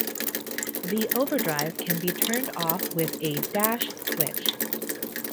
The overdrive can be turned off with a dash switch.